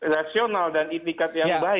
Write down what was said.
rasional dan itikat yang baik